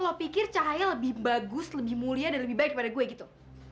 lo pikir cahaya lebih bagus lebih mulia dan lebih baik pada gue gitu